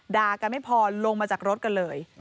ด่ากันไม่พอลงมาจากรถกันเลย